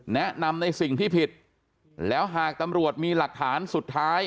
แนะนำในสิ่งที่ผิดแล้วหากตำรวจมีหลักฐานสุดท้าย